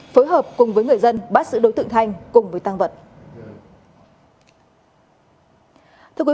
phối hợp cùng với người dân bắt giữ đối tượng thanh cùng với tăng vật